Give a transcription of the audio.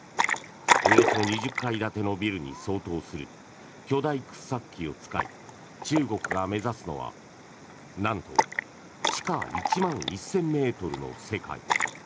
およそ２０階建てのビルに相当する巨大掘削機を使い中国が目指すのは、なんと地下１万１０００ｍの世界。